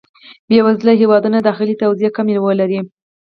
بې وزله هېوادونه داخلي توزېع کمی ولري.